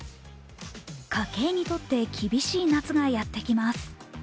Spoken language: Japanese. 家計にとって厳しい夏がやってきます。